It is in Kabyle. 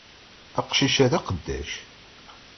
Aqcic-a d aqeddac!